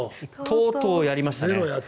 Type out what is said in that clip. とうとうやりましたね。